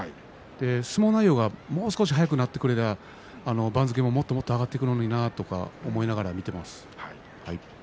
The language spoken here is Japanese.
相撲内容がもう少し速くなってくると番付ももっともっと上がってくるのになと思っています。